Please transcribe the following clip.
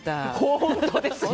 本当ですよ！